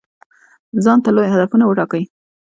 ځانته لوی هدفونه وټاکئ.